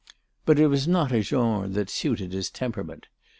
But it was not a genre that suited his temperament.